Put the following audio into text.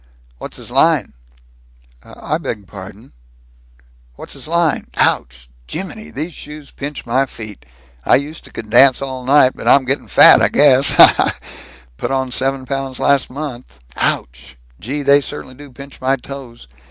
"What's his line?" "I beg pardon?" "What's his line? Ouch! Jiminy, these shoes pinch my feet. I used to could dance all night, but I'm getting fat, I guess, ha! ha! Put on seven pounds last month. Ouch! Gee, they certainly do pinch my toes.